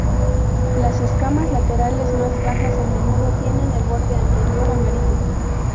Las escamas laterales más bajas a menudo tienen el borde anterior amarillo.